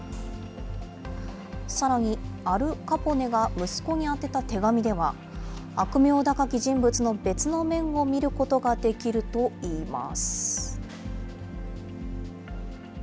さらにアル・カポネが息子に宛てた手紙では、悪名高き人物の別の面を見ることができるといいます。